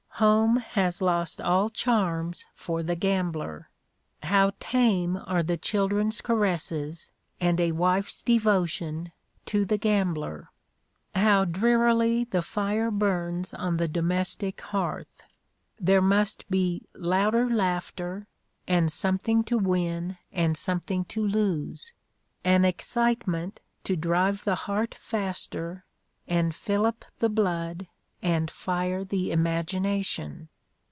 Home has lost all charms for the gambler. How tame are the children's caresses and a wife's devotion to the gambler! How drearily the fire burns on the domestic hearth! There must be louder laughter, and something to win and something to lose; an excitement to drive the heart faster and fillip the blood and fire the imagination.